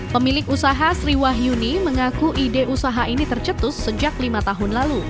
pemilik usaha sri wahyuni mengaku ide usaha ini tercetus sejak lima tahun lalu